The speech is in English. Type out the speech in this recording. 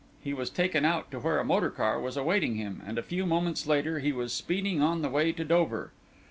He was taken out to where a motor car was awaiting him, and a few moments later he was speeding on the way to Dover.